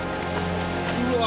うわ！